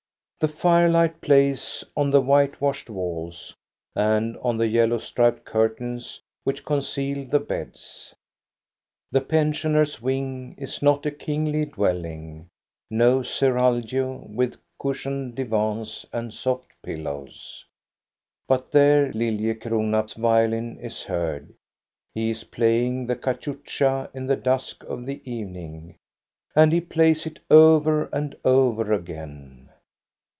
The firelight plays on the white washed walls and on the yellow striped curtains which conceal the beds. The pen sioners' wing is not a kingly dwelling, — no seraglio with cushioned divans and soft pillows. But there lilliecrona's violin is heard. He is play ing the cachucha in the dusk of the evening. And he plays it over and over again.